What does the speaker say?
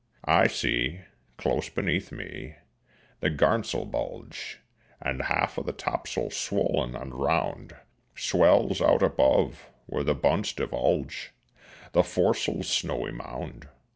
I see, close beneath me, the garn's'l bulge, And half of the tops'l swollen and round Swells out above, where the bunts divulge The fores'l's snowy mound.